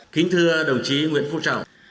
kính thưa đồng chí nguyễn phúc trọng